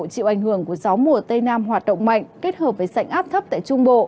chịu ảnh hưởng của gió mùa tây nam hoạt động mạnh kết hợp với sảnh áp thấp tại trung bộ